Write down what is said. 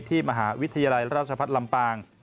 ที่มหาวิทยาลัยราชพัฒน์ลำปาง